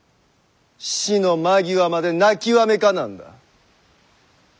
死の間際まで泣きわめかなんだ。